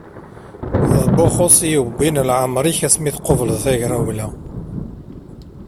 D Buxus i yewwin leɛmer-ik asmi tqubleḍ tagrawla.